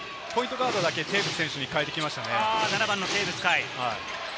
ガードだけテーブス選手に代えてきましたね。